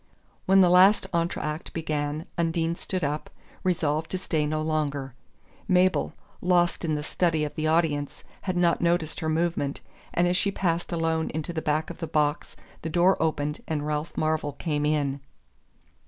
When the last entr'acte began Undine stood up, resolved to stay no longer. Mabel, lost in the study of the audience, had not noticed her movement, and as she passed alone into the back of the box the door opened and Ralph Marvell came in.